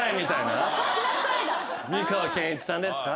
美川憲一さんですか？